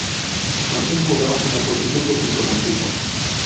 Martín jugaba en la posición de centrocampista.